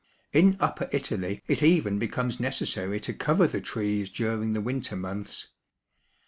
In upper Italy it even becomes necessary to cover the trees during the winter months.